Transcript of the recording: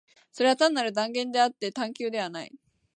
それは単なる断言であって探求ではない。